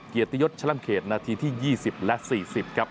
เกียรติยศชล่มเขตนาทีที่๒๐และ๔๐ครับ